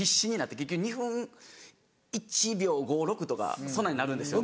結局２分１秒５６とかそんなんになるんですよね。